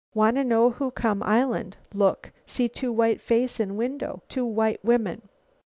Wanna know who come island. Look. See two white face in window; two white women.